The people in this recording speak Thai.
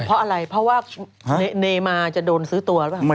เพราะอะไรเพราะว่าเนมาจะโดนซื้อตัวหรือเปล่า